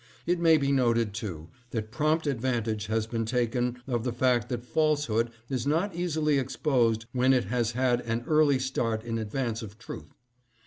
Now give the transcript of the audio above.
It may be noted, too, that prompt advantage has been taken of the fact that falsehood is not easily exposed when it has had an early start in advance of truth.